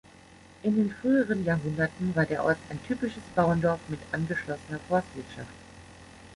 In den früheren Jahrhunderten war der Ort ein typisches Bauerndorf mit angeschlossener Forstwirtschaft.